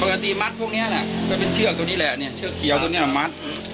ปกติมัดตรงนี้แหละก็เป็นเชือกตรงนี้แหละเนี่ยเชือกเขียวตรงนี้แหละมัด